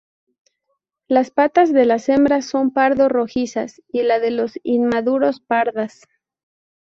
Las patas de las hembras son pardo rojizas, y la de los inmaduros, pardas.